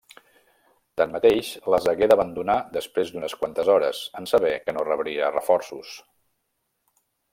Tanmateix, les hagué d'abandonar després d'unes quantes hores, en saber que no rebria reforços.